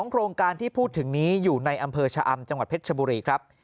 โครงการที่พูดถึงนี้อยู่ในอำเภอชะอำจังหวัดเพชรชบุรีครับ